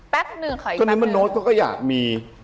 แป๊บนึงแป๊บหนึ่งแม่นมะโน๊ทก็อยากมี